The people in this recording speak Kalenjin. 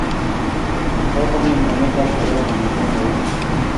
Kogomian kametab Jerop ong'ete ain.